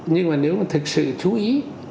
nhưng mà nếu mà thực sự chú ý